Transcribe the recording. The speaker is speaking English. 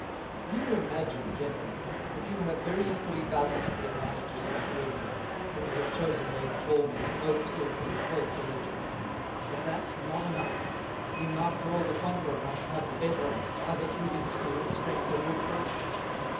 "You imagine, Gentlemen, that you have very equally balanced the advantages of two Enemies, when you have chosen both Tall Men, both skillful, and both couragious: But that's not enough, seeing after all the Conquerour must have the better on't either through his Skill, Strength, or good Fortune.